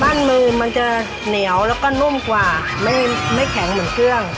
มือมันจะเหนียวแล้วก็นุ่มกว่าไม่แข็งเหมือนเครื่อง